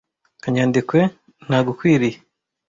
kanyandekwe ntagukwiriye.